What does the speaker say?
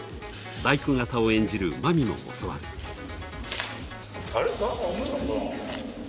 大工方を演じるまみも教わる。